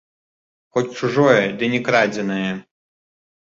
Хоць чужое, ды не крадзенае!